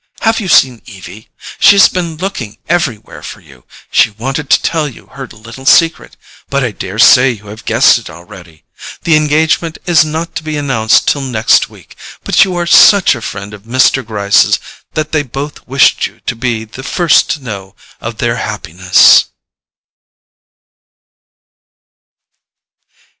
Have you seen Evie? She's been looking everywhere for you: she wanted to tell you her little secret; but I daresay you have guessed it already. The engagement is not to be announced till next week—but you are such a friend of Mr. Gryce's that they both wished you to be the first to know of their happiness."